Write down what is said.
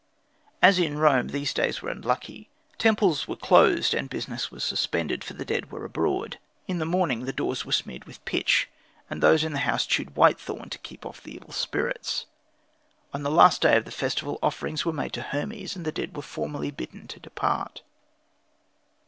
As in Rome, the days were unlucky. Temples were closed and business was suspended, for the dead were abroad. In the morning the doors were smeared with pitch, and those in the house chewed whitethorn to keep off the evil spirits. On the last day of the festival offerings were made to Hermes, and the dead were formally bidden to depart.